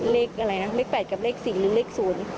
เลขอะไรนะเลข๘กับเลข๔หรือเลข๐